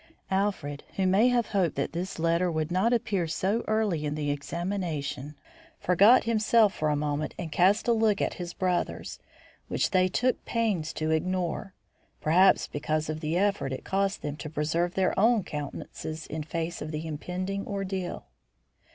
Alfred, who may have hoped that this letter would not appear so early in the examination, forgot himself for a moment and cast a look at his brothers, which they took pains to ignore, perhaps because of the effort it cost them to preserve their own countenances in face of the impending ordeal.